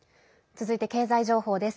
続いて経済情報です。